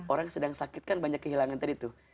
orang sedang sakit kan banyak kehilangan tadi tuh